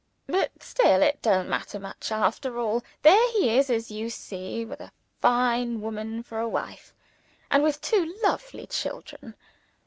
"But still, it don't matter much, after all. There he is, as you see, with a fine woman for a wife, and with two lovely children.